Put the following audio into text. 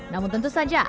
namun tentu saja